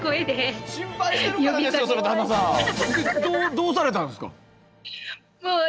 どうされたんですか？